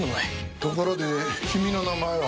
ところで君の名前は？